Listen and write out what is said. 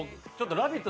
「ラヴィット！」